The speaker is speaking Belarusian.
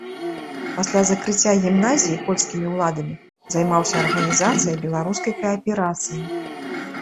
Пасля закрыцця гімназіі польскімі ўладамі займаўся арганізацыяй беларускай кааперацыі.